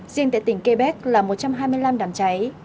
riêng tại tỉnh quebec là một trăm hai mươi năm đàm cháy